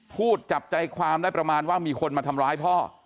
พูดจับใจความได้ประมาณว่ามีคนมาทำร้ายพ่อ